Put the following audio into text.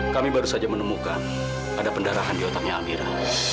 kami baru saja menemukan ada pendarahan di otaknya almira